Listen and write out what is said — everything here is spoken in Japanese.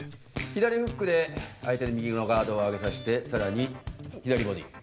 左フックで相手の右のガードを上げさせてさらに左ボディー。